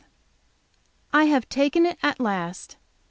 I have taken it at last.